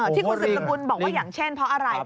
ที่คุณสิทธิ์ปรากฏบอกว่ายังเช่นเพ้าะอะไร